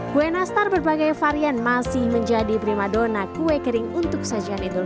kue nastar berbagai varian masih menjadi primadona kue kering untuk sajian etos